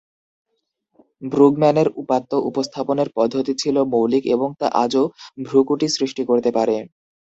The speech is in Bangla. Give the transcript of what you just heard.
ব্রুগম্যানের উপাত্ত উপস্থাপনের পদ্ধতি ছিল মৌলিক এবং তা আজও ভ্রুকুটি সৃষ্টি করতে পারে।